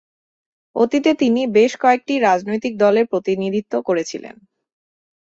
অতীতে তিনি বেশ কয়েকটি রাজনৈতিক দলের প্রতিনিধিত্ব করেছিলেন।